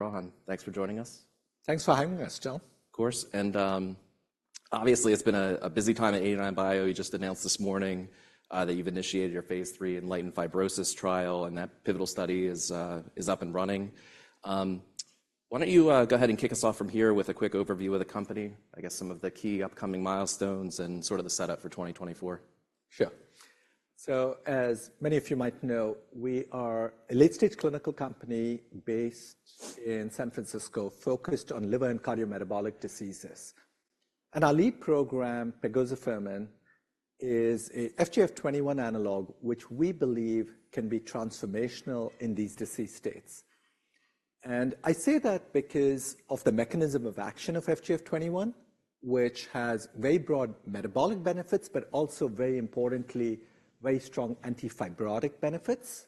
Rohan, thanks for joining us. Thanks for having us, Tom. Of course, and, obviously it's been a busy time at 89bio. You just announced this morning, that you've initiated your Phase III ENLIGHTEN-Fibrosis trial, and that pivotal study is up and running. Why don't you go ahead and kick us off from here with a quick overview of the company, I guess some of the key upcoming milestones and sort of the setup for 2024? Sure. So as many of you might know, we are a late-stage clinical company based in San Francisco, focused on liver and cardiometabolic diseases. And our lead program, pegozafermin, is a FGF21 analog, which we believe can be transformational in these disease states. And I say that because of the mechanism of action of FGF21, which has very broad metabolic benefits, but also, very importantly, very strong anti-fibrotic benefits.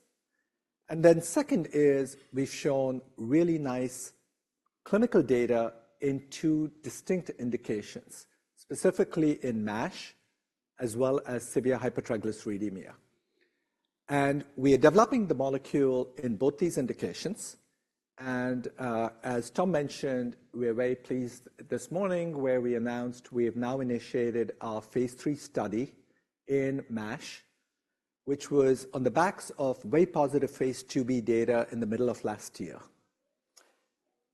And then second is we've shown really nice clinical data in two distinct indications, specifically in MASH, as well as severe hypertriglyceridemia. And we are developing the molecule in both these indications, and, as Tom mentioned, we are very pleased this morning, where we announced we have now initiated our phase III study in MASH, which was on the backs of very positive phase IIb data in the middle of last year.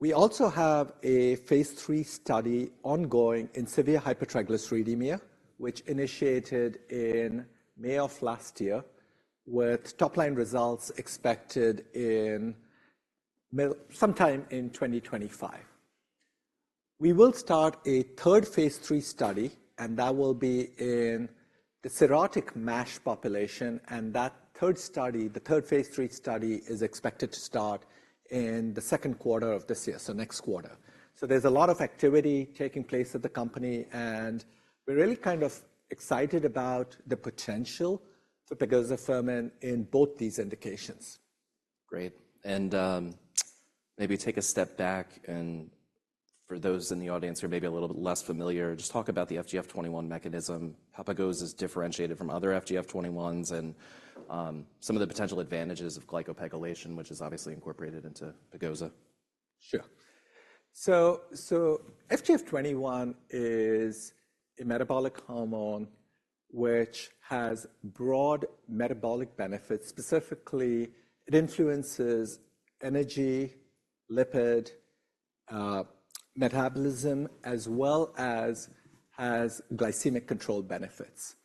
We also have a phase III study ongoing in severe hypertriglyceridemia, which initiated in May of last year, with top-line results expected sometime in 2025. We will start a third phase III study, and that will be in the cirrhotic MASH population, and that third study, the third phase III study, is expected to start in the second quarter of this year, so next quarter. So there's a lot of activity taking place at the company, and we're really kind of excited about the potential for pegozafermin in both these indications. Great, and, maybe take a step back, and for those in the audience who are maybe a little bit less familiar, just talk about the FGF21 mechanism, how pegozafermin is differentiated from other FGF21s, and, some of the potential advantages of glycoPEGylation, which is obviously incorporated into pegozafermin. Sure. So, FGF21 is a metabolic hormone which has broad metabolic benefits. Specifically, it influences energy, lipid, metabolism, as well as has glycemic control benefits.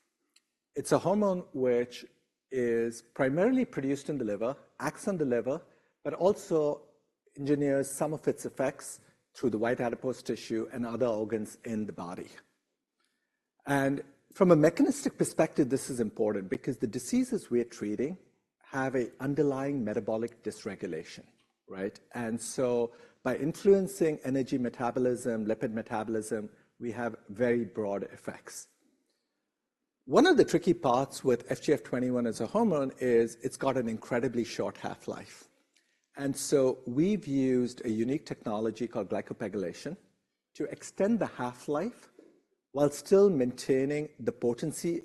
It's a hormone which is primarily produced in the liver, acts on the liver, but also engineers some of its effects through the white adipose tissue and other organs in the body. From a mechanistic perspective, this is important because the diseases we are treating have a underlying metabolic dysregulation, right? So by influencing energy metabolism, lipid metabolism, we have very broad effects. One of the tricky parts with FGF21 as a hormone is it's got an incredibly short half-life, and so we've used a unique technology called glycoPEGylation to extend the half-life while still maintaining the potency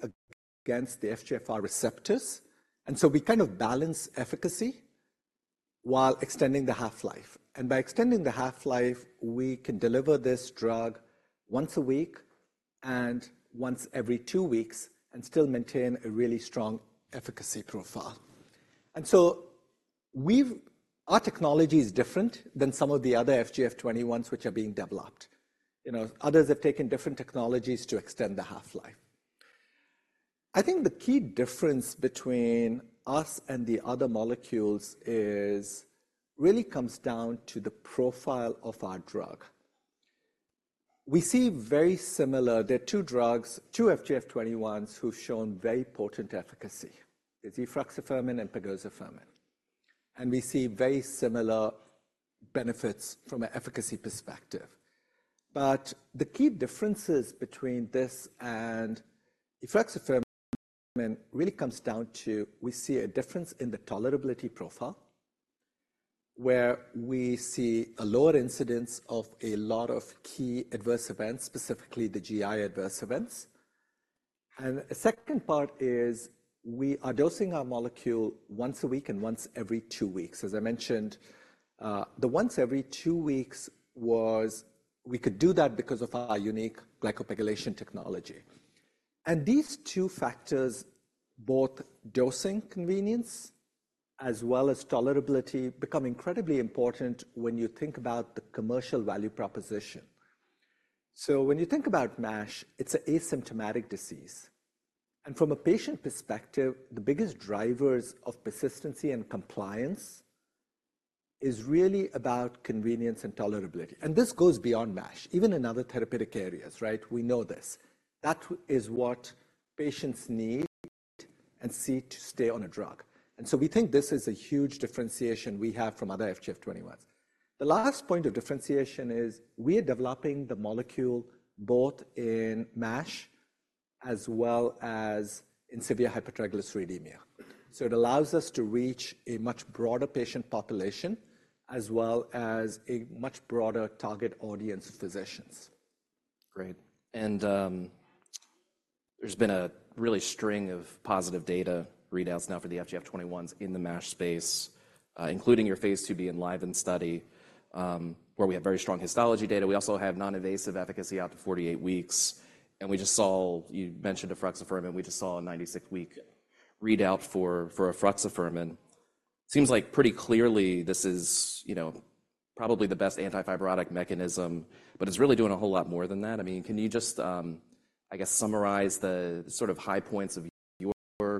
against the FGFR receptors. So we kind of balance efficacy while extending the half-life. By extending the half-life, we can deliver this drug once a week and once every two weeks and still maintain a really strong efficacy profile. So we've our technology is different than some of the other FGF21s which are being developed. You know, others have taken different technologies to extend the half-life. I think the key difference between us and the other molecules is... Really comes down to the profile of our drug. We see very similar. There are two drugs, two FGF21s, who've shown very potent efficacy, the efruxifermin and pegozafermin, and we see very similar benefits from an efficacy perspective. But the key differences between this and efruxifermin really comes down to, we see a difference in the tolerability profile, where we see a lower incidence of a lot of key adverse events, specifically the GI adverse events. A second part is we are dosing our molecule once a week and once every two weeks. As I mentioned, the once every two weeks we could do that because of our unique glycoPEGylation technology. And these two factors, both dosing convenience as well as tolerability, become incredibly important when you think about the commercial value proposition. So when you think about MASH, it's an asymptomatic disease, and from a patient perspective, the biggest drivers of persistency and compliance is really about convenience and tolerability. This goes beyond MASH, even in other therapeutic areas, right? We know this. That is what patients need and seek to stay on a drug, and so we think this is a huge differentiation we have from other FGF21. The last point of differentiation is we are developing the molecule both in MASH as well as in severe hypertriglyceridemia. So it allows us to reach a much broader patient population, as well as a much broader target audience of physicians. Great, and there's been a real string of positive data readouts now for the FGF21s in the MASH space, including your phase IIb ENLIVEN study, where we have very strong histology data. We also have non-invasive efficacy out to 48 weeks, and we just saw - you mentioned efruxifermin. We just saw a 96-week readout for efruxifermin. Seems like pretty clearly this is, you know, probably the best anti-fibrotic mechanism, but it's really doing a whole lot more than that. I mean, can you just, I guess, summarize the sort of high points of your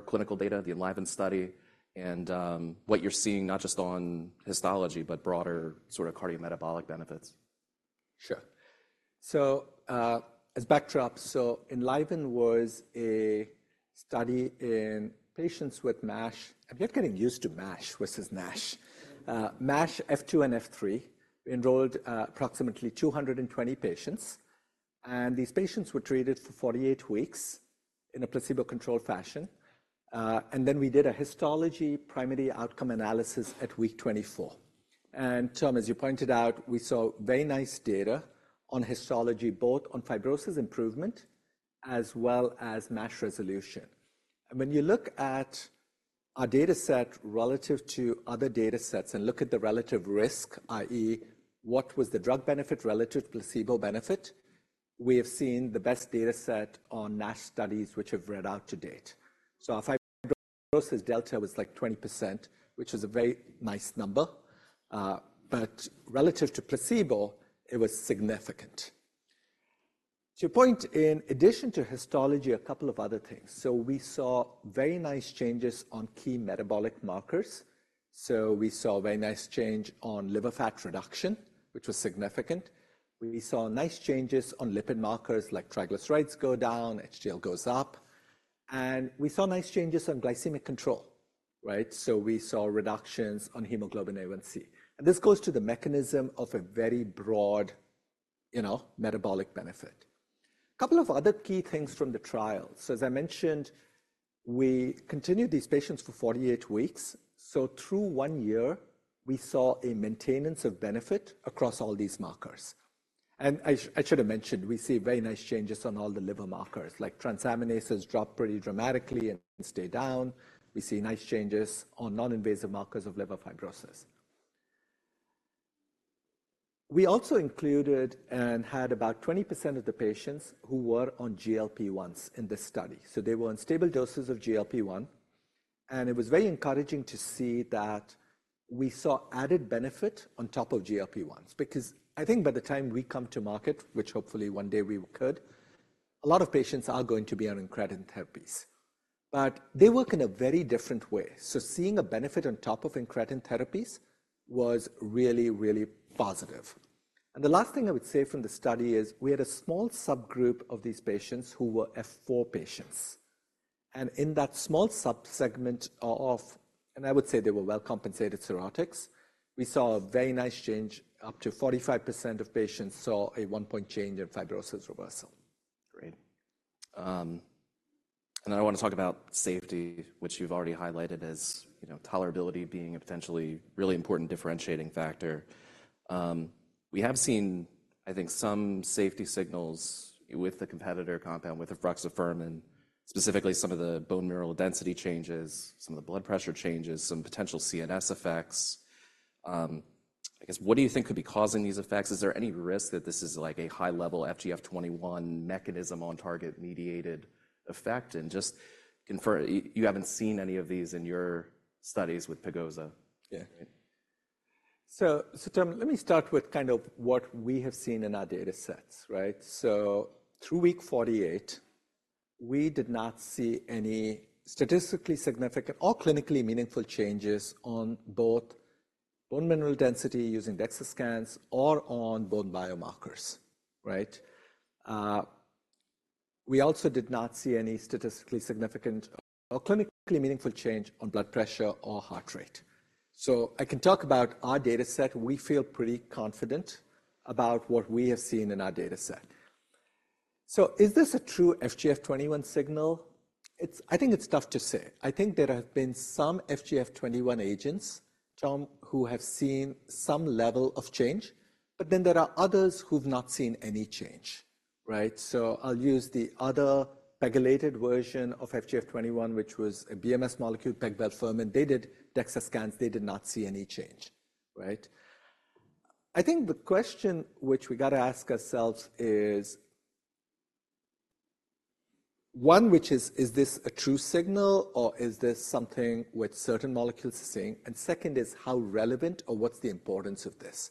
clinical data, the ENLIVEN study, and what you're seeing not just on histology, but broader sort of cardiometabolic benefits? Sure. So, as backdrop, so ENLIVEN was a study in patients with MASH. I'm not getting used to MASH versus NASH. MASH F2 and F3 enrolled, approximately 220 patients, and these patients were treated for 48 weeks in a placebo-controlled fashion. And then we did a histology primary outcome analysis at week 24. And Tom, as you pointed out, we saw very nice data on histology, both on fibrosis improvement as well as MASH resolution. And when you look at our data set relative to other data sets and look at the relative risk, i.e., what was the drug benefit relative to placebo benefit? We have seen the best data set on MASH studies which have read out to date. So our fibrosis delta was like 20%, which is a very nice number, but relative to placebo, it was significant. To your point, in addition to histology, a couple of other things. So we saw very nice changes on key metabolic markers. So we saw a very nice change on liver fat reduction, which was significant. We saw nice changes on lipid markers like triglycerides go down, HDL goes up, and we saw nice changes on glycemic control, right? So we saw reductions on hemoglobin A1C, and this goes to the mechanism of a very broad, you know, metabolic benefit. A couple of other key things from the trial. So as I mentioned, we continued these patients for 48 weeks. So through one year, we saw a maintenance of benefit across all these markers. I, I should have mentioned, we see very nice changes on all the liver markers, like transaminases drop pretty dramatically and stay down. We see nice changes on non-invasive markers of liver fibrosis. We also included and had about 20% of the patients who were on GLP-1s in this study. So they were on stable doses of GLP-1, and it was very encouraging to see that we saw added benefit on top of GLP-1s, because I think by the time we come to market, which hopefully one day we could, a lot of patients are going to be on incretin therapies. But they work in a very different way, so seeing a benefit on top of incretin therapies was really, really positive. The last thing I would say from the study is, we had a small subgroup of these patients who were F4 patients, and in that small subsegment of, and I would say they were well-compensated cirrhotics, we saw a very nice change. Up to 45% of patients saw a 1-point change in fibrosis reversal. Great. And I want to talk about safety, which you've already highlighted as, you know, tolerability being a potentially really important differentiating factor. We have seen, I think, some safety signals with the competitor compound, with efruxifermin, specifically some of the bone mineral density changes, some of the blood pressure changes, some potential CNS effects. I guess, what do you think could be causing these effects? Is there any risk that this is like a high-level FGF21 mechanism on target-mediated effect? And just confirm you, you haven't seen any of these in your studies with pegozafermin. Yeah. So, so Tom, let me start with kind of what we have seen in our data sets, right? So through week 48, we did not see any statistically significant or clinically meaningful changes on both bone mineral density using DEXA scans or on bone biomarkers, right? We also did not see any statistically significant or clinically meaningful change on blood pressure or heart rate. So I can talk about our data set. We feel pretty confident about what we have seen in our data set. So is this a true FGF21 signal? It's. I think it's tough to say. I think there have been some FGF21 agents, Tom, who have seen some level of change, but then there are others who've not seen any change, right? So I'll use the other pegylated version of FGF21, which was a BMS molecule, pegozafermin. They did DEXA scans. They did not see any change, right? I think the question which we got to ask ourselves is... One, which is, is this a true signal, or is this something which certain molecules are seeing? And second is, how relevant or what's the importance of this?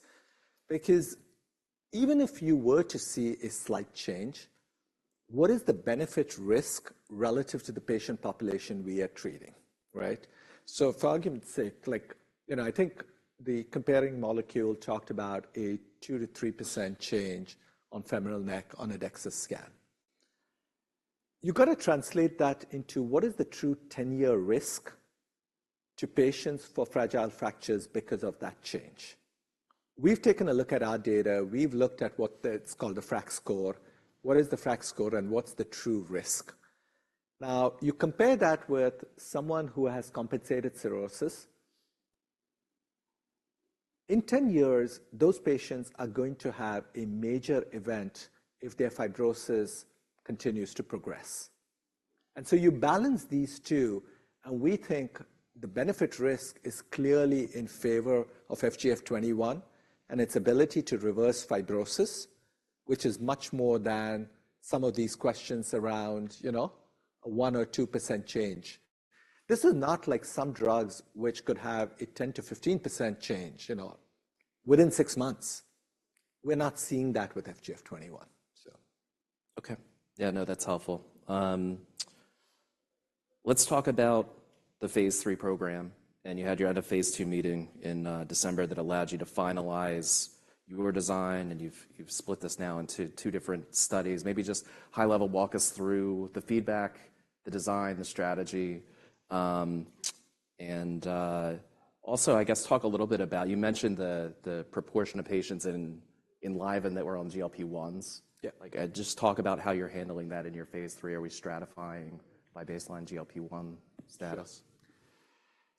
Because even if you were to see a slight change, what is the benefit risk relative to the patient population we are treating, right? So for argument's sake, like, you know, I think the comparing molecule talked about a 2%-3% change on femoral neck on a DEXA scan. You've got to translate that into what is the true 10-year risk to patients for fragile fractures because of that change. We've taken a look at our data. We've looked at what the-- it's called the FRAX score. What is the FRAX score, and what's the true risk? Now, you compare that with someone who has compensated cirrhosis in 10 years, those patients are going to have a major event if their fibrosis continues to progress. And so you balance these two, and we think the benefit-risk is clearly in favor of FGF21 and its ability to reverse fibrosis, which is much more than some of these questions around, you know, a 1% or 2% change. This is not like some drugs which could have a 10%-15% change, you know, within six months. We're not seeing that with FGF21, so. Okay. Yeah, no, that's helpful. Let's talk about the phase III program, and you had a phase II meeting in December that allowed you to finalize your design, and you've split this now into two different studies. Maybe just high level, walk us through the feedback, the design, the strategy, and also, I guess talk a little bit about, you mentioned the proportion of patients in ENLIVEN that were on GLP-1s. Yeah. Like, just talk about how you're handling that in your phase III. Are we stratifying by baseline GLP-1 status?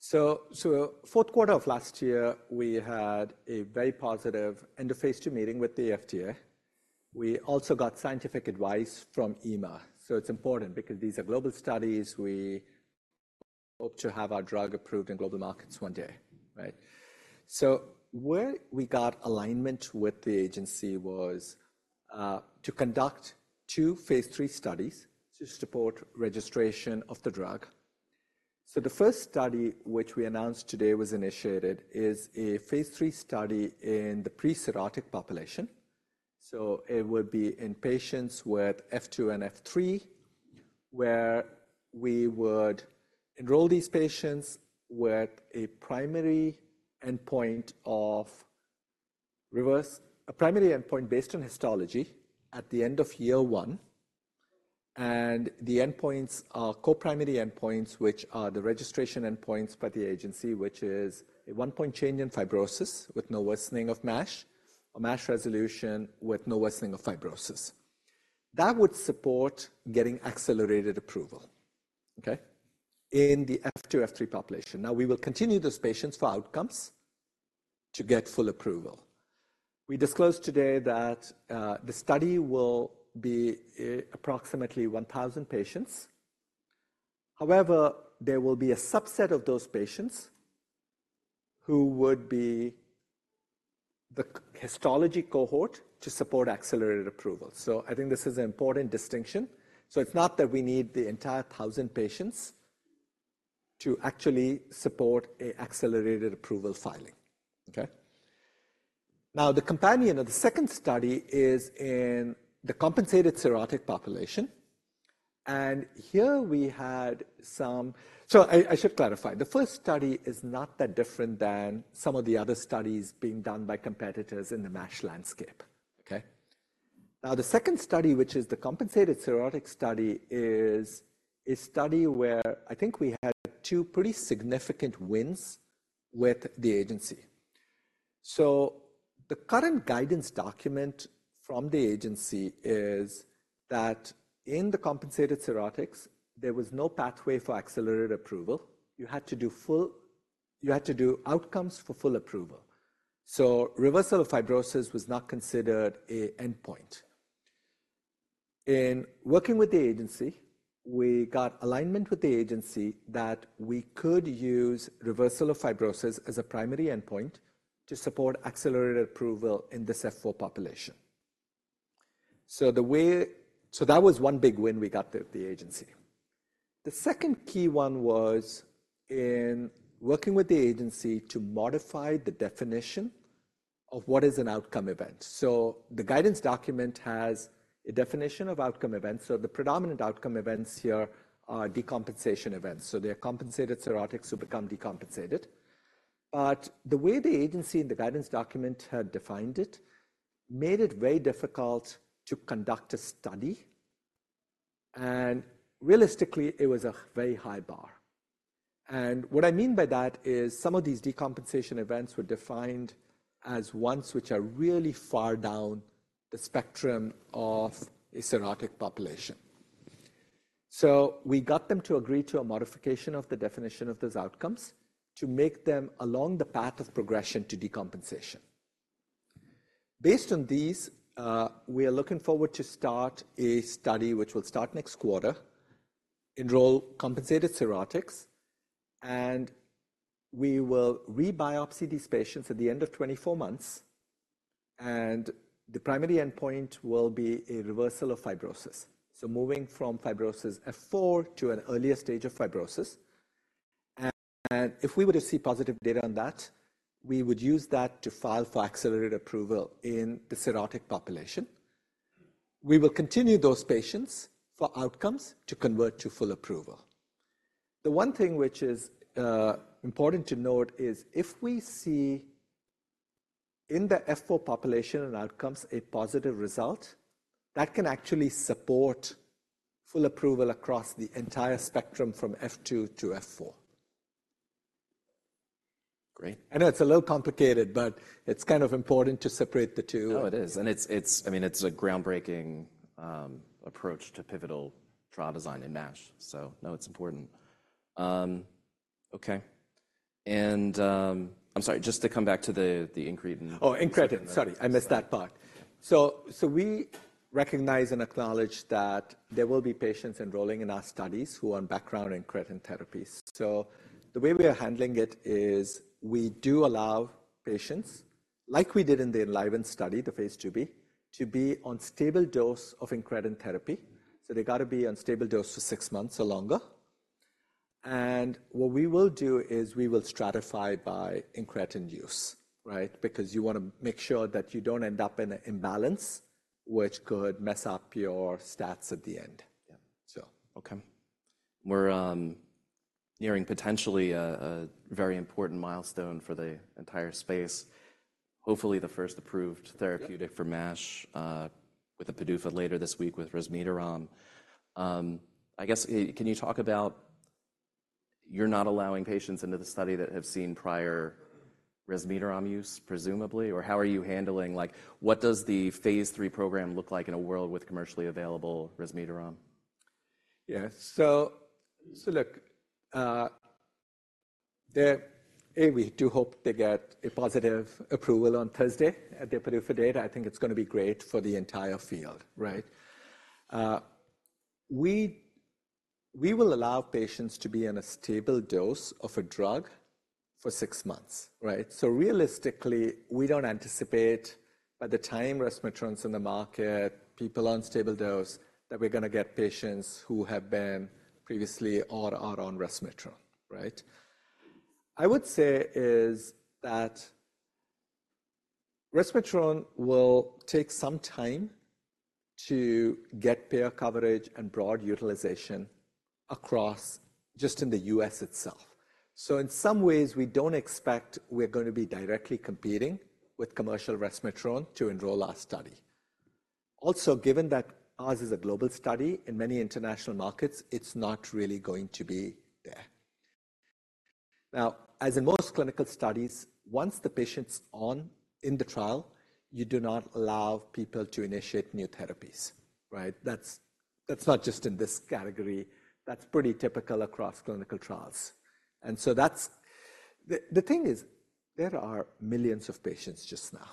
Sure. So, so fourth quarter of last year, we had a very positive end-of-phase II meeting with the FDA. We also got scientific advice from EMA. So it's important because these are global studies. We hope to have our drug approved in global markets one day, right? So where we got alignment with the agency was to conduct two phase III studies to support registration of the drug. So the first study, which we announced today was initiated, is a phase III study in the pre-cirrhotic population. So it would be in patients with F2 and F3, where we would enroll these patients with a primary endpoint of reverse... A primary endpoint based on histology at the end of year one, and the endpoints are co-primary endpoints, which are the registration endpoints by the agency, which is a 1-point change in fibrosis with no worsening of MASH, or MASH resolution with no worsening of fibrosis. That would support getting accelerated approval, okay, in the F2, F3 population. Now, we will continue those patients for outcomes to get full approval. We disclosed today that the study will be approximately 1,000 patients. However, there will be a subset of those patients who would be the histology cohort to support accelerated approval. So I think this is an important distinction. So it's not that we need the entire 1,000 patients to actually support a accelerated approval filing, okay? Now, the companion of the second study is in the compensated cirrhotic population, and here we had some... So I should clarify, the first study is not that different than some of the other studies being done by competitors in the MASH landscape, okay? Now, the second study, which is the compensated cirrhotic study, is a study where I think we had two pretty significant wins with the agency. So the current guidance document from the agency is that in the compensated cirrhotics, there was no pathway for accelerated approval. You had to do outcomes for full approval. So reversal of fibrosis was not considered an endpoint. In working with the agency, we got alignment with the agency that we could use reversal of fibrosis as a primary endpoint to support accelerated approval in this F4 population. So that was one big win we got with the agency. The second key one was in working with the agency to modify the definition of what is an outcome event. The guidance document has a definition of outcome events. The predominant outcome events here are decompensation events. They are compensated cirrhotics who become decompensated. But the way the agency in the guidance document had defined it, made it very difficult to conduct a study, and realistically, it was a very high bar. And what I mean by that is some of these decompensation events were defined as ones which are really far down the spectrum of a cirrhotic population. We got them to agree to a modification of the definition of those outcomes to make them along the path of progression to decompensation. Based on these, we are looking forward to start a study, which will start next quarter, enroll compensated cirrhotics, and we will re-biopsy these patients at the end of 24 months, and the primary endpoint will be a reversal of fibrosis. So moving from fibrosis F4 to an earlier stage of fibrosis. And if we were to see positive data on that, we would use that to file for accelerated approval in the cirrhotic population. We will continue those patients for outcomes to convert to full approval. The one thing which is, important to note is if we see in the F4 population and outcomes a positive result, that can actually support full approval across the entire spectrum from F2 to F4. Great. I know it's a little complicated, but it's kind of important to separate the two. Oh, it is, and it's, it's, I mean, it's a groundbreaking approach to pivotal trial design in MASH. So no, it's important. Okay. And, I'm sorry, just to come back to the incretin. Oh, incretin. Sorry, I missed that part. So, so we recognize and acknowledge that there will be patients enrolling in our studies who are on background incretin therapies. So the way we are handling it is we do allow patients, like we did in the ENLIVEN study, the phase IIb, to be on stable dose of incretin therapy. So they've got to be on stable dose for six months or longer. And what we will do is we will stratify by incretin use, right? Because you wanna make sure that you don't end up in an imbalance, which could mess up your stats at the end. Yeah. So. Okay. We're nearing potentially a very important milestone for the entire space. Hopefully, the first approved therapeutic- Yeah -for MASH, with the PDUFA later this week with resmetirom. I guess, can you talk about... You're not allowing patients into the study that have seen prior resmetirom use, presumably? Or how are you handling, like, what does the phase III program look like in a world with commercially available resmetirom? Yeah, so look, we do hope to get a positive approval on Thursday at the PDUFA date. I think it's gonna be great for the entire field, right? We will allow patients to be on a stable dose of a drug for six months, right? So realistically, we don't anticipate by the time resmetirom's on the market, people on stable dose, that we're gonna get patients who have been previously or are on resmetirom, right? I would say is that resmetirom will take some time to get payer coverage and broad utilization across just in the U.S. itself. So in some ways, we don't expect we're gonna be directly competing with commercial resmetirom to enroll our study. Also, given that ours is a global study, in many international markets, it's not really going to be there. Now, as in most clinical studies, once the patient's on in the trial, you do not allow people to initiate new therapies, right? That's not just in this category. That's pretty typical across clinical trials, and so that's... The thing is, there are millions of patients just now,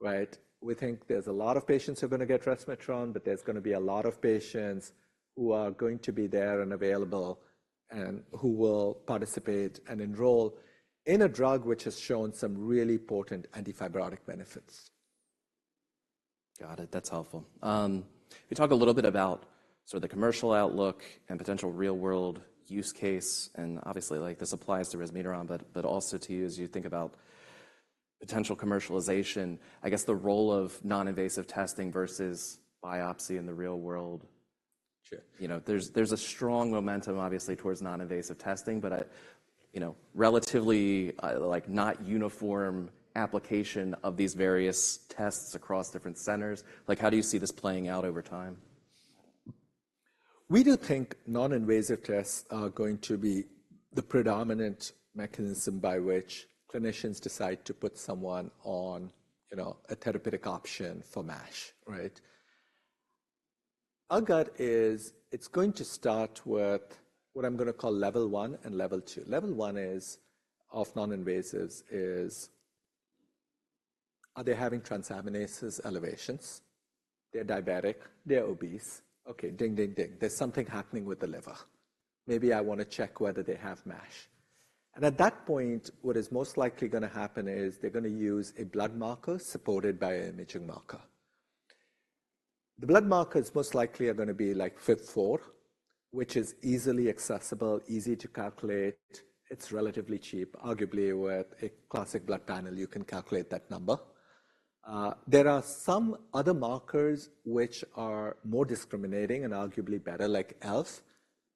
right? We think there's a lot of patients who are gonna get resmetirom, but there's gonna be a lot of patients who are going to be there and available, and who will participate and enroll in a drug which has shown some really potent antifibrotic benefits. Got it. That's helpful. Can you talk a little bit about sort of the commercial outlook and potential real-world use case, and obviously, like, this applies to resmetirom, but, but also to you as you think about potential commercialization. I guess the role of non-invasive testing versus biopsy in the real world. Sure. You know, there's a strong momentum, obviously, towards non-invasive testing, but, you know, relatively, like, not uniform application of these various tests across different centers. Like, how do you see this playing out over time? We do think non-invasive tests are going to be the predominant mechanism by which clinicians decide to put someone on, you know, a therapeutic option for MASH, right? Our gut is it's going to start with what I'm gonna call Level one and Level two. Level one is, of non-invasives, are they having transaminases elevations? They're diabetic, they're obese. Okay, ding, ding, ding. There's something happening with the liver. Maybe I wanna check whether they have MASH. At that point, what is most likely gonna happen is they're gonna use a blood marker supported by an imaging marker. The blood markers most likely are gonna be like FIB-4, which is easily accessible, easy to calculate. It's relatively cheap. Arguably, with a classic blood panel, you can calculate that number. There are some other markers which are more discriminating and arguably better, like ELF,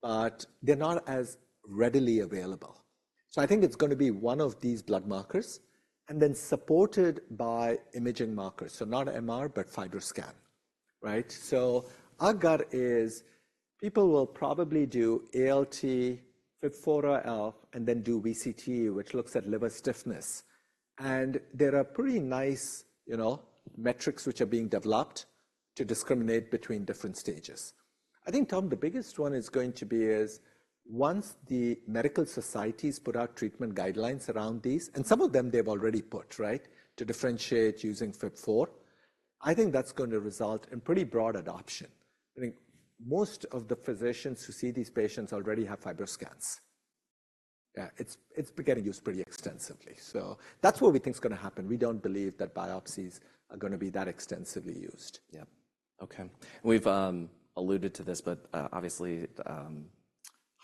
but they're not as readily available. So I think it's gonna be one of these blood markers, and then supported by imaging markers. So not MR, but FibroScan, right? So our gut is people will probably do ALT, FIB-4, ELF, and then do VCTE, which looks at liver stiffness. And there are pretty nice, you know, metrics which are being developed to discriminate between different stages. I think, Tom, the biggest one is going to be once the medical societies put out treatment guidelines around these, and some of them they've already put, right, to differentiate using FIB-4, I think that's gonna result in pretty broad adoption. I think most of the physicians who see these patients already have FibroScans. Yeah, it's getting used pretty extensively, so that's what we think is gonna happen. We don't believe that biopsies are gonna be that extensively used. Yeah. Okay. We've alluded to this, but obviously,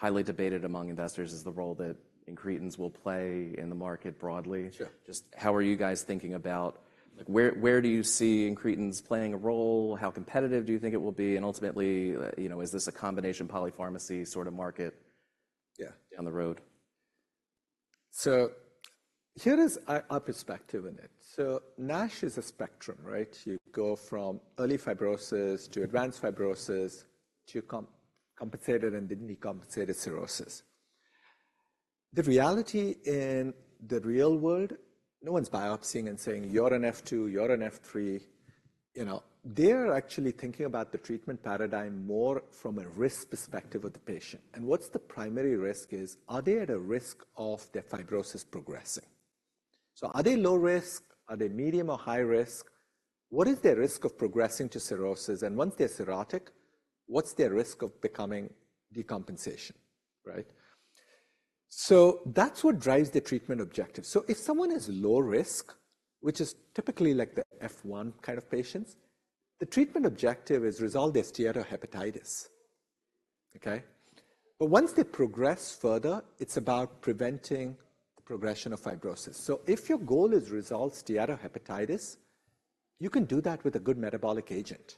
highly debated among investors is the role that incretins will play in the market broadly. Sure. Just how are you guys thinking about, like, where do you see incretins playing a role? How competitive do you think it will be? And ultimately, you know, is this a combination polypharmacy sort of market- Yeah... down the road? So here is our perspective in it. So NASH is a spectrum, right? You go from early fibrosis to advanced fibrosis to compensated and decompensated cirrhosis. The reality in the real world, no one's biopsying and saying, "You're an F2, you're an F3." You know, they're actually thinking about the treatment paradigm more from a risk perspective of the patient. And what's the primary risk is, are they at a risk of their fibrosis progressing? So are they low risk? Are they medium or high risk? What is their risk of progressing to cirrhosis? And once they're cirrhotic, what's their risk of becoming decompensated, right? So that's what drives the treatment objective. So if someone is low risk, which is typically like the F1 kind of patients, the treatment objective is resolve their steatohepatitis, okay? But once they progress further, it's about preventing the progression of fibrosis. So if your goal is resolve steatohepatitis, you can do that with a good metabolic agent.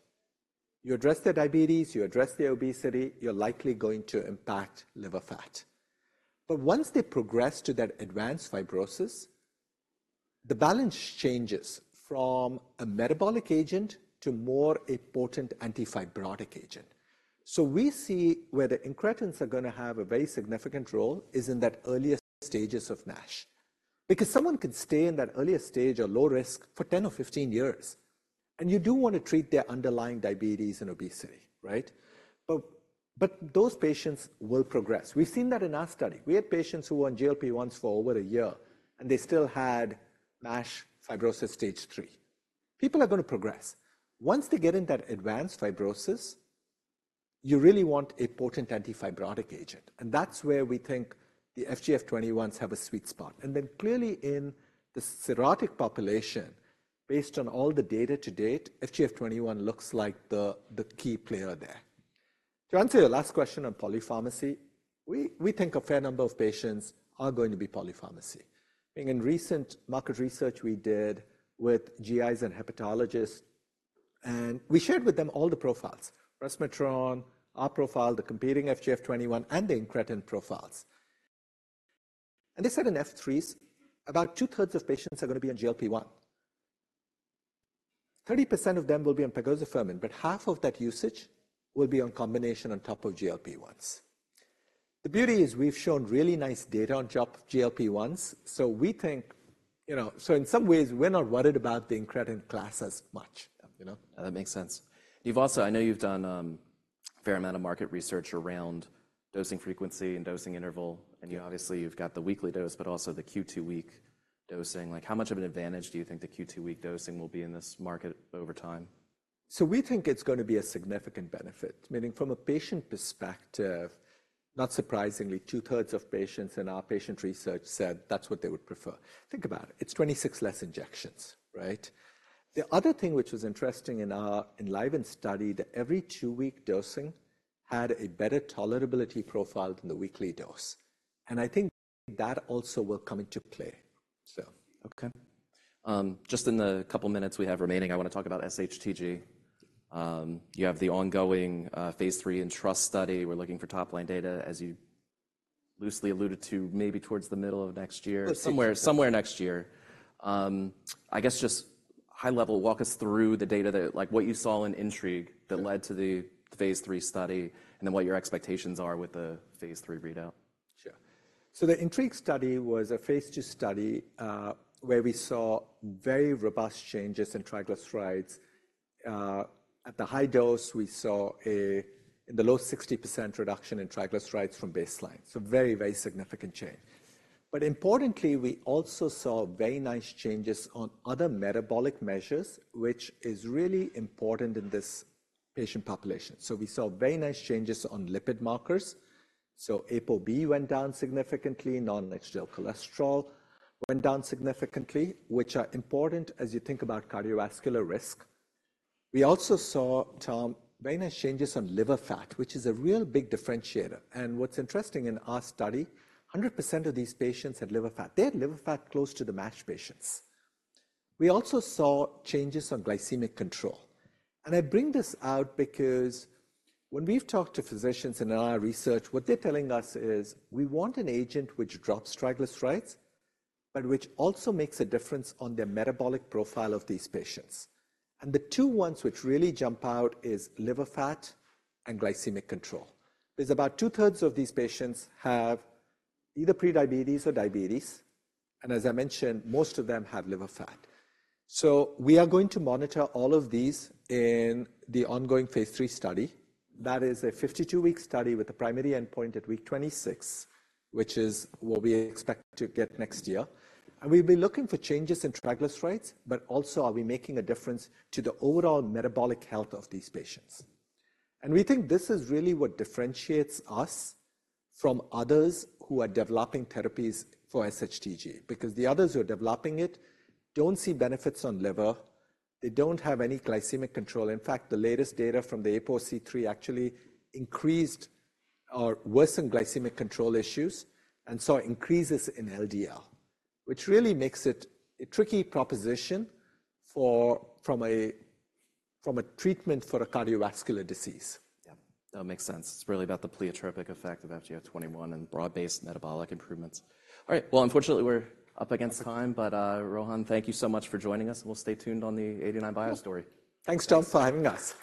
You address their diabetes, you address their obesity, you're likely going to impact liver fat. But once they progress to that advanced fibrosis, the balance changes from a metabolic agent to more a potent anti-fibrotic agent. So we see where the incretins are gonna have a very significant role is in that earliest stages of NASH. Because someone can stay in that earliest stage or low risk for 10 or 15 years, and you do want to treat their underlying diabetes and obesity, right? But, but those patients will progress. We've seen that in our study. We had patients who were on GLP-1s for over a year, and they still had NASH fibrosis stage three. People are gonna progress. Once they get in that advanced fibrosis, you really want a potent anti-fibrotic agent, and that's where we think the FGF21s have a sweet spot. And then clearly in the cirrhotic population, based on all the data to date, FGF21 looks like the, the key player there. To answer your last question on polypharmacy, we, we think a fair number of patients are going to be polypharmacy. I think in recent market research we did with GIs and hepatologists, and we shared with them all the profiles, resmetirom, our profile, the competing FGF21, and the incretin profiles. And they said in F3s, about two-thirds of patients are going to be on GLP-1. 30% of them will be on pegbelfermin, but half of that usage will be on combination on top of GLP-1s. The beauty is we've shown really nice data on top of GLP-1s, so we think, you know... So in some ways, we're not worried about the incretin class as much, you know? That makes sense. You've also—I know you've done a fair amount of market research around dosing frequency and dosing interval, and you obviously, you've got the weekly dose, but also the Q two-week dosing. Like, how much of an advantage do you think the Q two-week dosing will be in this market over time? So we think it's going to be a significant benefit, meaning from a patient perspective, not surprisingly, 2/3 of patients in our patient research said that's what they would prefer. Think about it, it's 26 less injections, right? The other thing which was interesting in our ENLIVEN study, that every two-week dosing had a better tolerability profile than the weekly dose, and I think that also will come into play. So... Okay. Just in the couple minutes we have remaining, I want to talk about SHTG. You have the ongoing Phase III ENTRUST study. We're looking for top-line data, as you loosely alluded to, maybe towards the middle of next year. Somewhere- Somewhere next year. I guess just high level, walk us through the data that, like, what you saw in ENTRIGUE that led to the Phase III study, and then what your expectations are with the Phase III readout. Sure. So the ENTRIGUE study was a phase II study, where we saw very robust changes in triglycerides. At the high dose, we saw a low 60% reduction in triglycerides from baseline. So very, very significant change. But importantly, we also saw very nice changes on other metabolic measures, which is really important in this patient population. So we saw very nice changes on lipid markers. So ApoB went down significantly, non-HDL cholesterol went down significantly, which are important as you think about cardiovascular risk. We also saw, Tom, very nice changes on liver fat, which is a real big differentiator. And what's interesting in our study, 100% of these patients had liver fat. They had liver fat close to the MASH patients. We also saw changes on glycemic control, and I bring this out because when we've talked to physicians in our research, what they're telling us is: "We want an agent which drops triglycerides, but which also makes a difference on the metabolic profile of these patients." And the two ones which really jump out is liver fat and glycemic control. There's about two-thirds of these patients have either prediabetes or diabetes, and as I mentioned, most of them have liver fat. So we are going to monitor all of these in the ongoing phase III study. That is a 52-week study with a primary endpoint at week 26, which is what we expect to get next year. And we'll be looking for changes in triglycerides, but also, are we making a difference to the overall metabolic health of these patients? We think this is really what differentiates us from others who are developing therapies for SHTG, because the others who are developing it don't see benefits on liver. They don't have any glycemic control. In fact, the latest data from the APOC3 actually increased or worsened glycemic control issues and saw increases in LDL, which really makes it a tricky proposition for a treatment for a cardiovascular disease. Yeah, that makes sense. It's really about the pleiotropic effect of FGF21 and broad-based metabolic improvements. All right, well, unfortunately, we're up against time, but Rohan, thank you so much for joining us, and we'll stay tuned on the 89bio story. Thanks, Tom, for having us.